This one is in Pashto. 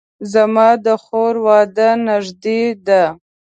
زما د خور واده نږدې ده